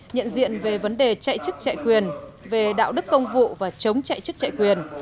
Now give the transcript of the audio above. nhận diện về vấn đề chạy chức chạy quyền về đạo đức công vụ và chống chạy chức chạy quyền